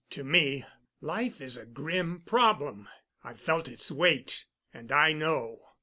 To me life is a grim problem—I've felt its weight, and I know.